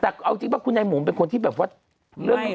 แต่เอาจริงคุณนายหมูเป็นคนที่แบบว่า